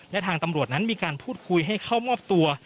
และทางตำรวจนั้นมีการพูดคุยให้เข้ามอบตัว